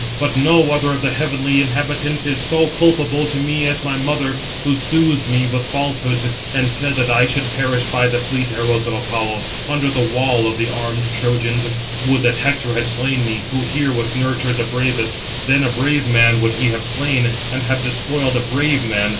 682 But no other of the heavenly inhabitants is so culpable to me as my mother, who soothed me with falsehoods, and said that I should perish by the fleet arrows of Apollo, under the wall of the armed Trojans. Would that Hector had slain me, who here was nurtured the bravest; then a brave man would he have slain, and have despoiled a brave man.